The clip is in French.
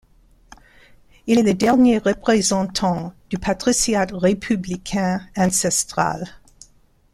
Il est le dernier représentant du patriciat républicain ancestral.